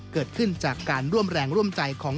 เกิดขึ้นจากการร่วมแรงร่วมใจของ